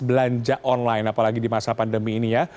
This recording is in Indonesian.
belanja online apalagi di masa pandemi ini ya